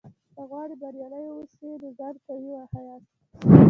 که غواړې بریالی واوسې؛ نو ځان قوي وښیاست!